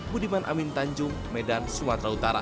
budiman amin tanjung medan sumatera utara